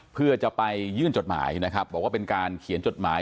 เพื่อจะไปยื่นจดหมายนะครับบอกว่าเป็นการเขียนจดหมาย